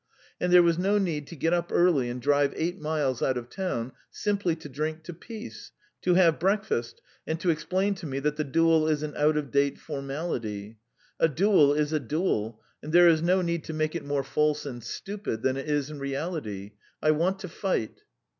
And there was no need to get up early and drive eight miles out of town simply to drink to peace, to have breakfast, and to explain to me that the duel is an out of date formality. A duel is a duel, and there is no need to make it more false and stupid than it is in reality. I want to fight!"